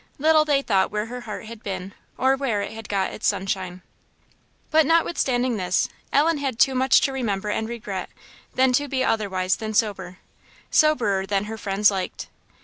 Little they thought where her heart had been, or where it had got its sunshine. But notwithstanding this, Ellen had too much to remember and regret, than to be otherwise than sober, soberer than her friends liked.